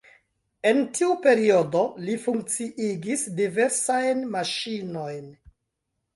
En tiu periodo li funkciigis diversajn maŝinojn.